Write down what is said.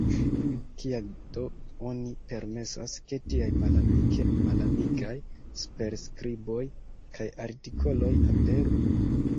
Kial do oni permesas, ke tiaj malamike malamigaj superskriboj kaj artikoloj aperu?